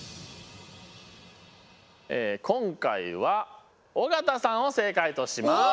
今回は尾形さんを正解とします。